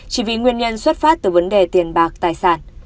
chỉ vì nguyên nhân xuất phát từ vấn đề tiền bạc tài sản